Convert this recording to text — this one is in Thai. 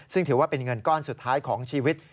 ซึ่งถือว่าเป็นเงินก้อนสุดท้ายของชีวิต